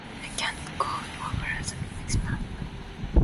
I cannot go over the maximum.